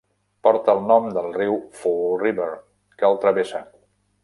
Porta el nom del riu Fall River, que el travessa.